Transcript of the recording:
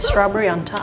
ada strawberry di atas